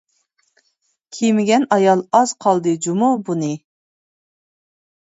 كىيمىگەن ئايال ئاز قالدى جۇمۇ بۇنى؟ !